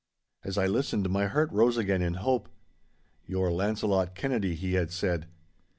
As I listened my heart rose again in hope. 'Your Launcelot Kennedy,' he had said.